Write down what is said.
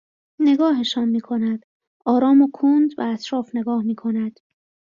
نگاهشان میکند آرام و کند به اطراف نگاه میکند